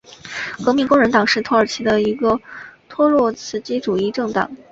革命工人党是土耳其的一个托洛茨基主义政党。